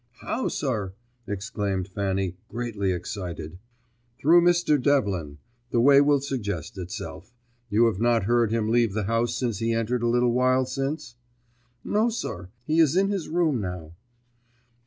"How, sir?" exclaimed Fanny, greatly excited. "Through Mr. Devlin. The way will suggest itself. You have not heard him leave the house since he entered a little while since?" "No, sir. He is in his room now."